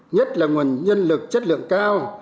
nhất là nguồn nhân lực chất lượng cao